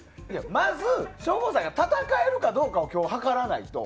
まず省吾さんが戦えるかどうかを今日、測らないと。